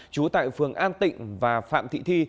chú tại phường an tịnh và phạm thị thi